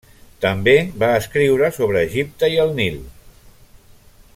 També va escriure sobre Egipte i el Nil.